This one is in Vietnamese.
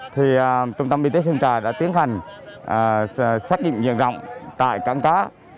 thì trung tâm y tế sơn trà đã tiến hành xét nghiệm nhân rộng tại cảng cá